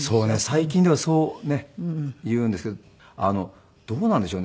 最近ではそうねっいうんですけど。どうなんでしょうね？